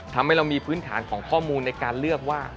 ทำให้เรามีพื้นฐานของข้อมูลในการเลือกว่า